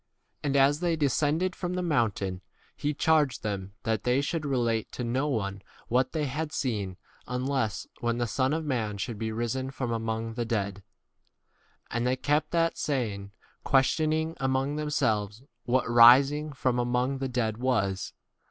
And as they de scended from the mountain, he charged them that they should relate to no one what they had seen unless when the Son of man should be risen from among [the] 10 dead. And they kept that saying, questioning among themselves i what k rising from among [the] 11 dead was.